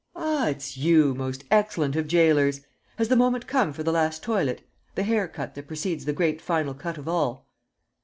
"Ah, it's you, most excellent of jailers! Has the moment come for the last toilet? The hair cut that precedes the great final cut of all?"